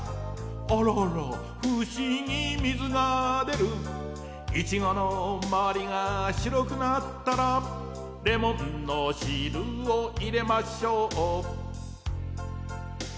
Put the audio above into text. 「あらあら不思議水が出る」「イチゴのまわりがしろくなったら」「レモンの汁を入れましょう」